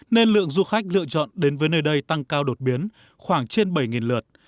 nên lượng du khách lựa chọn đến với nơi đây tăng cao đột biến khoảng trên bảy lượt